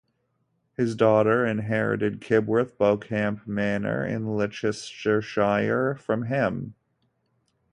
His daughter inherited Kibworth Beauchamp Manor in Leicestershire from him.